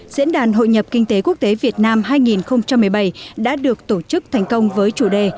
diễn đàn hội nhập kinh tế quốc tế việt nam hai nghìn một mươi bảy đã được tổ chức thành công với chủ đề